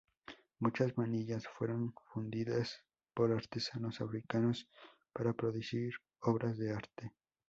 Muchas manillas fueron fundidas por artesanos africanos para producir obras de arte.